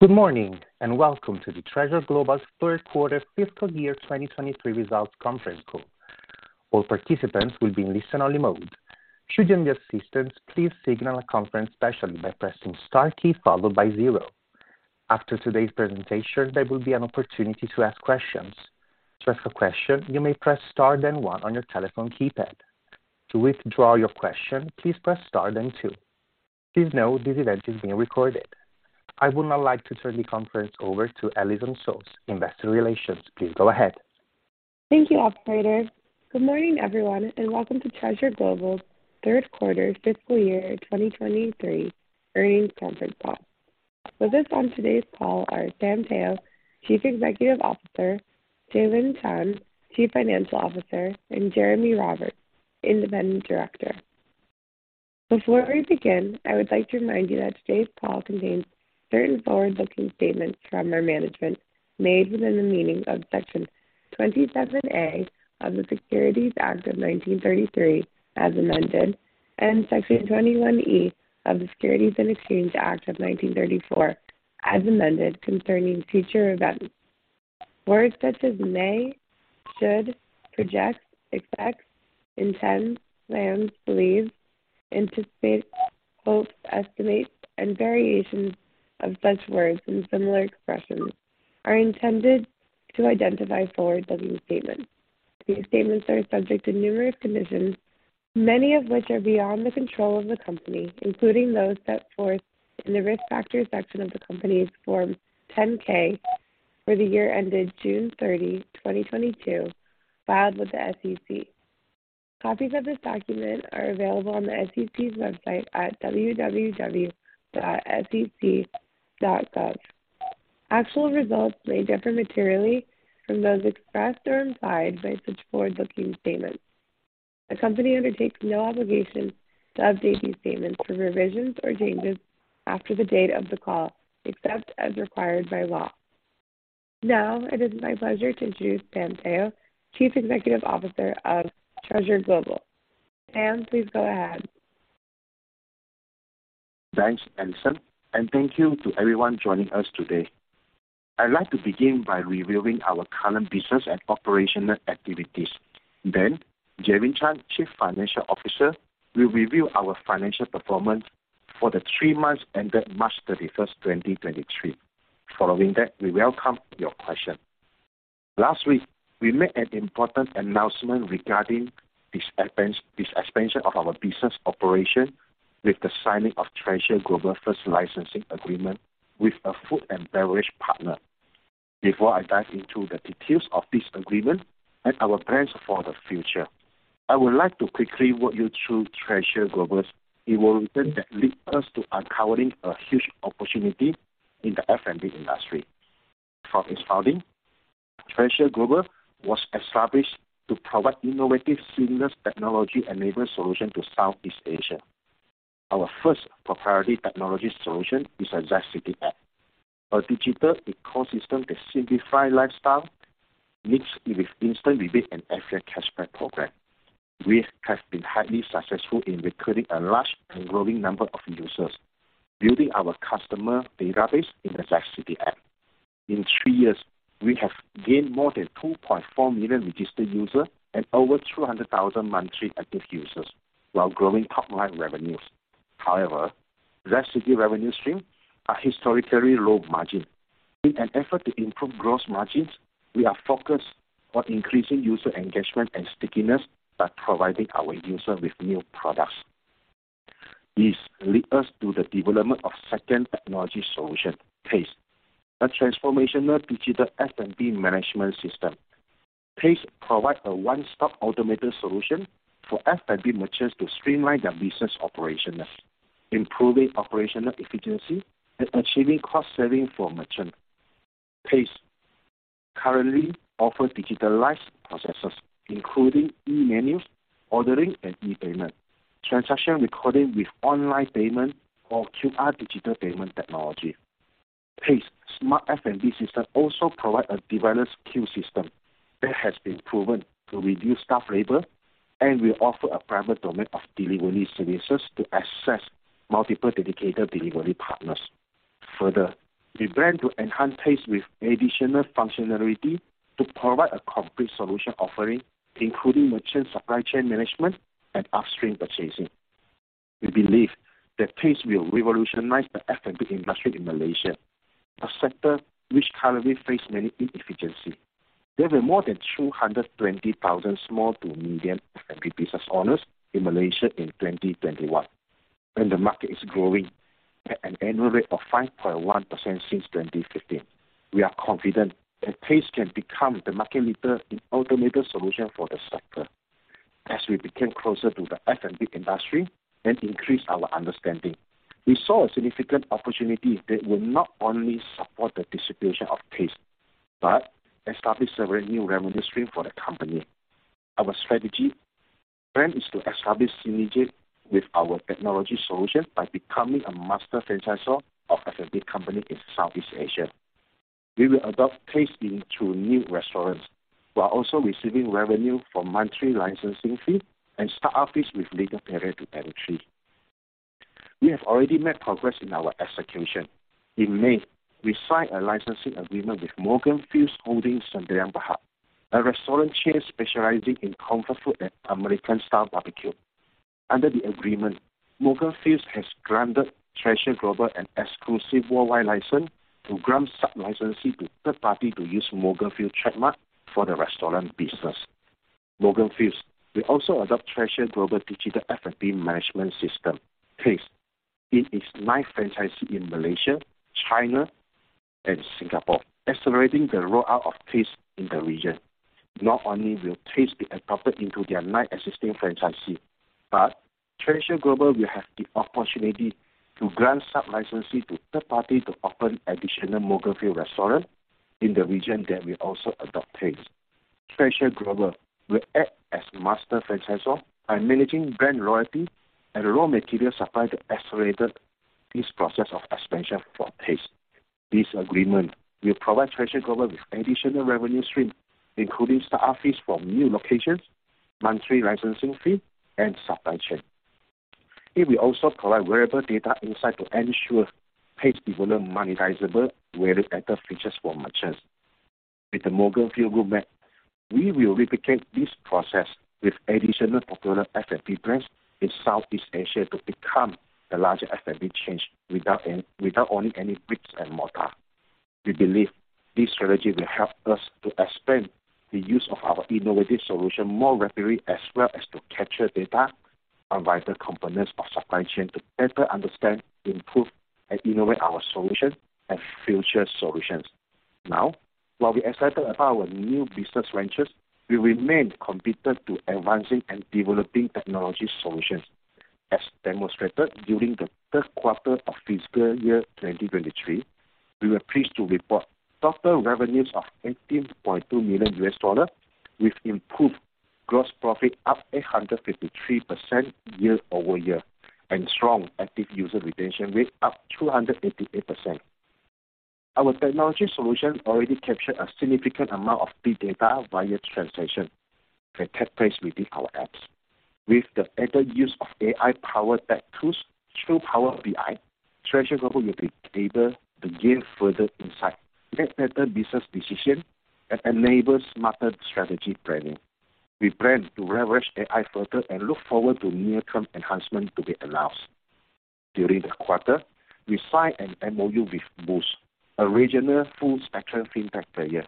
Good morning, and welcome to the Treasure Global's third quarter fiscal year 2023 results conference call. All participants will be in listen only mode. Should you need assistance, please signal a conference specialist by pressing star key followed by zero. After today's presentation, there will be an opportunity to ask questions. To ask a question, you may press star then one on your telephone keypad. To withdraw your question, please press star then two. Please note this event is being recorded. I would now like to turn the conference over to Allison Soss, Investor Relations. Please go ahead. Thank you, operator. Good morning, everyone, and welcome to Treasure Global 3rd quarter fiscal year 2023 earnings conference call. With us on today's call are Sam Teo, Chief Executive Officer, Michael Chan, Chief Financial Officer, and Jeremy Roberts, Independent Director. Before we begin, I would like to remind you that today's call contains certain forward-looking statements from our management made within the meaning of Section 27A of the Securities Act of 1933 as amended, and Section 21E of the Securities Exchange Act of 1934 as amended concerning future events. Words such as may, should, project, expect, intend, plans, believe, anticipate, hope, estimate, and variations of such words and similar expressions are intended to identify forward-looking statements. These statements are subject to numerous conditions, many of which are beyond the control of the company, including those set forth in the Risk Factors section of the company's Form 10-K for the year ended June 30, 2022, filed with the SEC. Copies of this document are available on the SEC's website at www.sec.gov. Actual results may differ materially from those expressed or implied by such forward-looking statements. The company undertakes no obligation to update these statements for revisions or changes after the date of the call, except as required by law. Now, it is my pleasure to introduce Sam Teo, Chief Executive Officer of Treasure Global. Sam, please go ahead. Thanks, Allison. Thank you to everyone joining us today. I'd like to begin by reviewing our current business and operational activities. Michael Chan, Chief Financial Officer, will review our financial performance for the three months ended March 31, 2023. Following that, we welcome your questions. Last week, we made an important announcement regarding this expansion of our business operation with the signing of Treasure Global first licensing agreement with a food and beverage partner. Before I dive into the details of this agreement and our plans for the future, I would like to quickly walk you through Treasure Global's evolution that lead us to uncovering a huge opportunity in the F&B industry. From its founding, Treasure Global was established to provide innovative, seamless technology-enabled solution to Southeast Asia. Our first proprietary technology solution is a ZCITY app. A digital ecosystem that simplify lifestyle mixed with instant rebate and airfare cashback program. We have been highly successful in recruiting a large and growing number of users, building our customer database in the ZCITY app. In three years, we have gained more than 2.4 million registered user and over 200,000 monthly active users while growing top-line revenues. However, ZCITY revenue stream are historically low margin. In an effort to improve gross margins, we are focused on increasing user engagement and stickiness by providing our user with new products. This lead us to the development of second technology solution, TAZTE, a transformational digital F&B management system. TAZTE provide a one-stop automated solution for F&B merchants to streamline their business operational, improving operational efficiency, and achieving cost saving for merchant. TAZTE currently offer digitalized processes, including e-menus, ordering and e-payment, transaction recording with online payment or QR digital payment technology. TAZTE smart F&B system also provide a developer skill system that has been proven to reduce staff labor and will offer a private domain of delivery services to access multiple dedicated delivery partners. We plan to enhance TAZTE with additional functionality to provide a complete solution offering, including merchant supply chain management and upstream purchasing. We believe that TAZTE will revolutionize the F&B industry in Malaysia, a sector which currently face many inefficiency. There were more than 220,000 small to medium F&B business owners in Malaysia in 2021. The market is growing at an annual rate of 5.1% since 2015. We are confident that TAZTE can become the market leader in automated solution for the sector. As we became closer to the F&B industry and increased our understanding, we saw a significant opportunity that will not only support the distribution of TAZTE but establish several new revenue stream for the company. Our strategy, plan is to establish synergies with our technology solution by becoming a master franchisor of F&B company in Southeast Asia. We will adopt TAZTE into new restaurants while also receiving revenue from monthly licensing fee and start-up fees with legal period to entry. We have already made progress in our execution. In May, we signed a licensing agreement with Morganfield's Holding Sdn Bhd, a restaurant chain specializing in comfort food and American-style barbecue. Under the agreement, Morganfield's has granted Treasure Global an exclusive worldwide license to grant sub-licensee to third party to use Morganfield's trademark for the restaurant business. Morganfield's will also adopt Treasure Global digital F&B management system, TAZTE. It is nine franchisee in Malaysia, China and Singapore, accelerating the rollout of TAZTE in the region. Not only will TAZTE be adopted into their nine existing franchisee, but Treasure Global will have the opportunity to grant sub-licensee to third party to open additional Morganfield's restaurant in the region that will also adopt TAZTE. Treasure Global will act as master franchisor by managing brand royalty and raw material supply to accelerate this process of expansion for TAZTE. This agreement will provide Treasure Global with additional revenue stream, including start-up fees from new locations, monthly licensing fee and supply chain. It will also provide valuable data insight to ensure TAZTE develop monetizable value-added features for merchants. With the Morganfield's roadmap, we will replicate this process with additional popular F&B brands in Southeast Asia to become the largest F&B chain without owning any bricks and mortar. We believe this strategy will help us to expand the use of our innovative solution more rapidly as well as to capture data on vital components of supply chain to better understand, improve and innovate our solution and future solutions. While we are excited about our new business ventures, we remain committed to advancing and developing technology solutions. As demonstrated during the third quarter of fiscal year 2023, we were pleased to report total revenues of $18.2 million with improved gross profit up 853% year-over-year and strong active user retention rate up 288%. Our technology solution already captured a significant amount of big data via transaction that take place within our apps. With the better use of AI-powered tech tools through Power BI, Treasure Global will be able to gain further insight, make better business decision and enable smarter strategy planning. We plan to leverage AI further and look forward to near-term enhancement to be announced. During the quarter, we signed an MoU with Boost, a regional full-spectrum fintech player.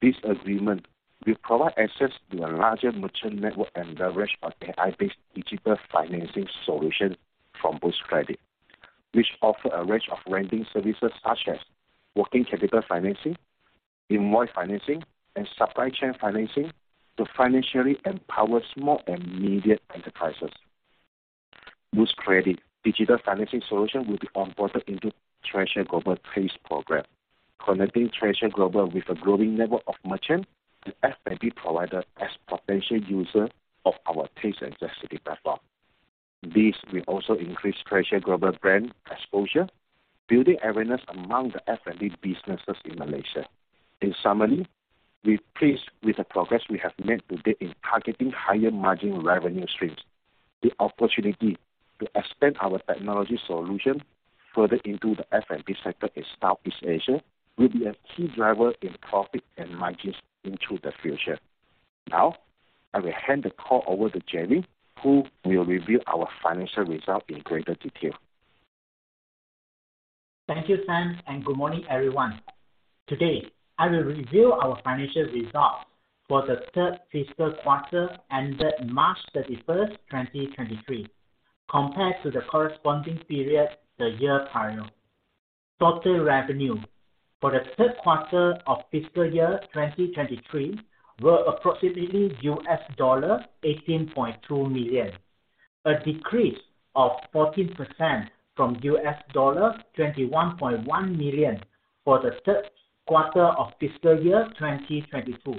This agreement will provide access to a larger merchant network and leverage on AI-based digital financing solution from Boost Credit, which offer a range of lending services such as working capital financing, invoice financing and supply chain financing to financially empower small and medium enterprises. Boost Credit digital financing solution will be onboarded into Treasure Global TAZTE program, connecting Treasure Global with a growing network of merchant and F&B provider as potential user of our TAZTE and ZCITY platform. This will also increase Treasure Global brand exposure, building awareness among the F&B businesses in Malaysia. In summary, we're pleased with the progress we have made to date in targeting higher margin revenue streams. The opportunity to expand our technology solution further into the F&B sector in Southeast Asia will be a key driver in profit and margins into the future. I will hand the call over to Jerry, who will review our financial result in greater detail. Thank you, Sam, and good morning, everyone. Today, I will review our financial results for the third fiscal quarter ended March 31, 2023, compared to the corresponding period the year prior. Total revenue for the third quarter of fiscal year 2023 were approximately $18.2 million, a decrease of 14% from $21.1 million for the third quarter of fiscal year 2022.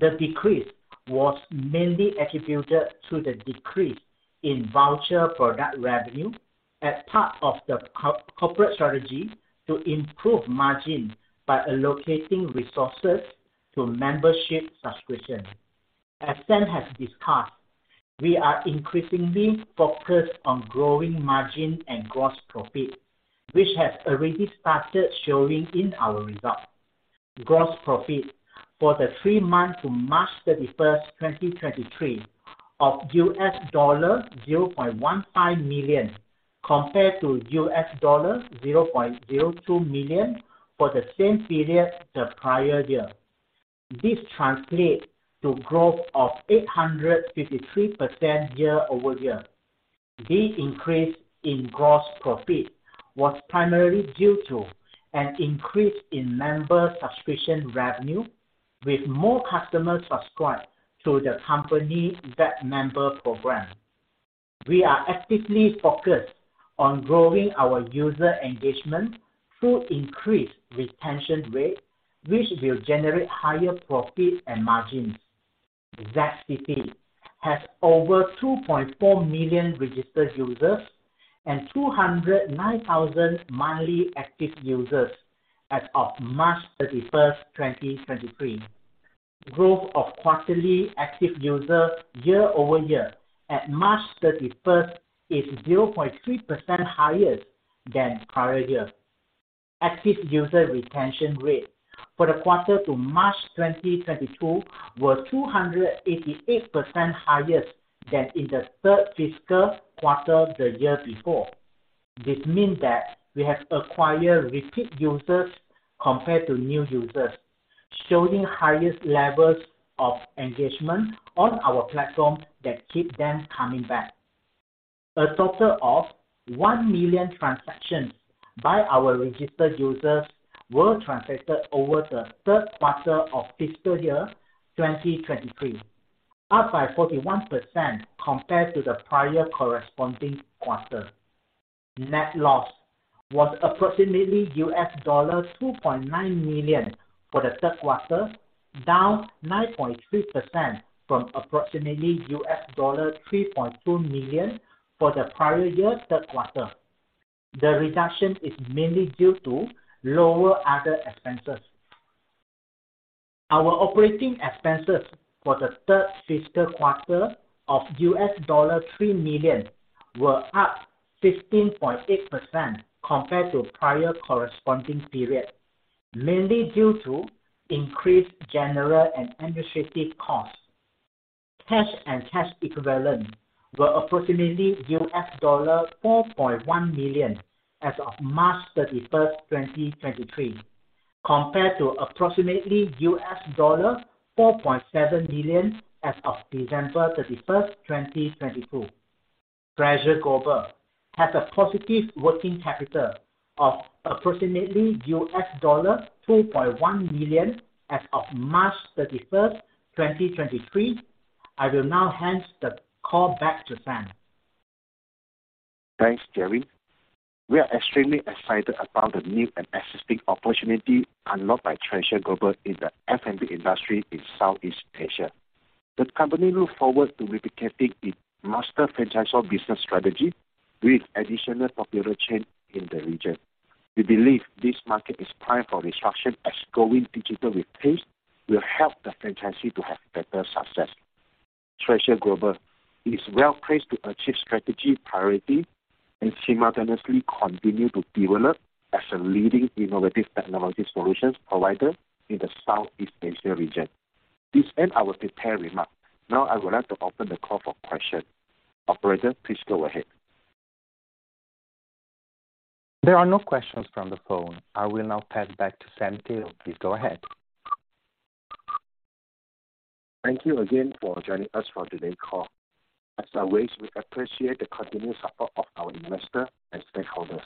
The decrease was mainly attributed to the decrease in voucher product revenue as part of the corporate strategy to improve margin by allocating resources to membership subscription. As Sam has discussed, we are increasingly focused on growing margin and gross profit, which has already started showing in our results. Gross profit for the three month to March 31, 2023 of $0.15 million compared to $0.02 million for the same period the prior year. This translate to growth of 853% year-over-year. The increase in gross profit was primarily due to an increase in member subscription revenue, with more customers subscribed to the company VIP member program. We are actively focused on growing our user engagement through increased retention rate, which will generate higher profit and margins. ZCP has over 2.4 million registered users and 209,000 monthly active users as of March 31, 2023. Growth of quarterly active user year-over-year at March 31 is 0.3% higher than prior year. Active user retention rate for the quarter to March 2022 were 288% higher than in the third fiscal quarter the year before. This means that we have acquired repeat users compared to new users, showing highest levels of engagement on our platform that keep them coming back. A total of 1 million transactions by our registered users were transacted over the third quarter of fiscal year 2023, up by 41% compared to the prior corresponding quarter. Net loss was approximately $2.9 million for the third quarter, down 9.3% from approximately $3.2 million for the prior year third quarter. The reduction is mainly due to lower other expenses. Our operating expenses for the third fiscal quarter of $3 million were up 15.8% compared to prior corresponding period, mainly due to increased general and administrative costs. Cash and cash equivalents were approximately $4.1 million as of March 31, 2023, compared to approximately $4.7 million as of December 31, 2022. Treasure Global has a positive working capital of approximately $2.1 million as of March 31, 2023. I will now hand the call back to Sam. Thanks, Michael Chan. We are extremely excited about the new and existing opportunity unlocked by Treasure Global in the F&B industry in Southeast Asia. The company look forward to replicating its master franchisor business strategy with additional popular chains in the region. We believe this market is prime for disruption as going digital with TAZTE will help the franchisee to have better success. Treasure Global is well-placed to achieve strategy priority and simultaneously continue to develop as a leading innovative technology solutions provider in the Southeast Asia region. This ends our prepared remarks. Now I would like to open the call for questions. Operator, please go ahead. There are no questions from the phone. I will now pass back to Sam Teo. Please go ahead. Thank you again for joining us for today's call. As always, we appreciate the continued support of our investors and stakeholders.